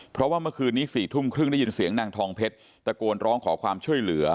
เพราะว่าเมื่อคืนนี้๔ทุ่มครึ่งได้ยินเสียงนางทองเพชรตะโกนร้องขอความช่วยเหลือ